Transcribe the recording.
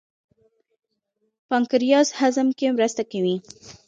پانکریاس هضم کې مرسته کوي.